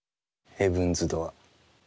ヘブンズ・ドアー！